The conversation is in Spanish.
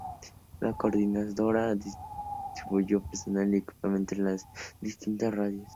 La coordinadora distribuyó personal y equipamiento entre las distintas radios.